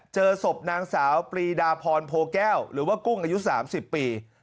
เจอศพนางสาวปรีดาพรโพแก้วหรือว่ากุ้งอายุ๓๐ปี